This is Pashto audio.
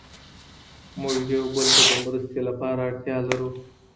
موږ یو بل ته د مرستې لپاره اړتیا لرو.